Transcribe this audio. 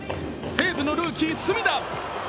西武のルーキー・隅田。